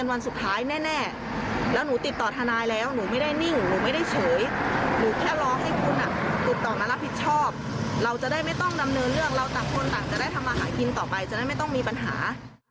จะได้ทำมาหากินต่อไปจะได้ไม่ต้องมีปัญหา